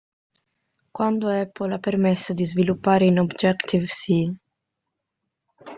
Quando Apple ha permesso di sviluppare in Objective-C.